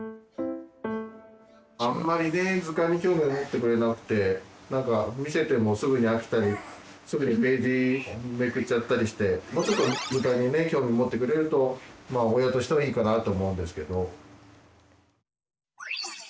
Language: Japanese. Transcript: あんまりね図鑑に興味をもってくれなくて見せてもすぐに飽きたりすぐにページめくっちゃったりしてもうちょっと図鑑に興味もってくれると親としてはいいかなと思うんですけど。